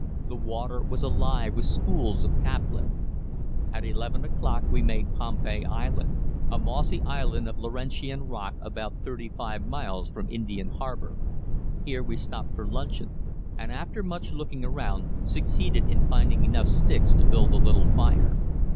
The water was alive with schools of caplin. At eleven o'clock we made Pompey Island, a mossy island of Laurentian rock about thirty five miles from Indian Harbour. Here we stopped for luncheon, and after much looking around, succeeded in finding enough sticks to build a little fire.